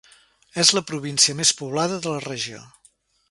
És la província més poblada de la Regió.